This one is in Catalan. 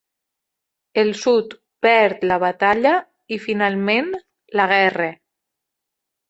El Sud perd la batalla i, finalment, la guerra.